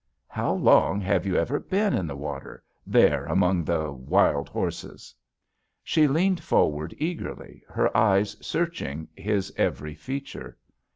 "How long have you ever been in the water — there, among the — ^wild horses?" She leaned forward eagerly, her eyes search ing his every feature.